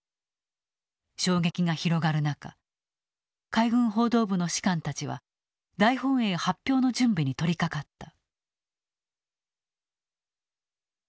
海軍報道部の士官たちは大本営発表の準備に取りかかった。